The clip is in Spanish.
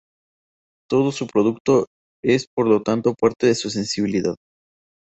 Todo su producto es por lo tanto parte de su sensibilidad.